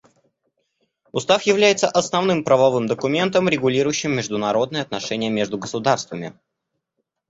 Устав является основным правовым документом, регулирующим международные отношения между государствами.